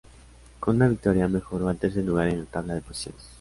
Con una victoria, mejoró al tercer lugar en la tabla de posiciones.